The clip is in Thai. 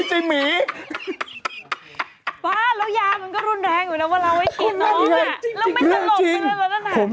จริงมั้ยเนี่ยเรื่องจริง